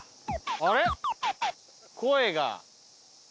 あれ？